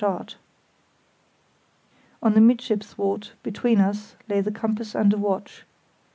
[See Chart B] On the midship thwart between us lay the compass and a watch.